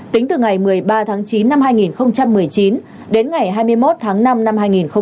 tính từ ngày một mươi ba tháng chín năm hai nghìn một mươi chín đến ngày hai mươi một tháng năm năm hai nghìn hai mươi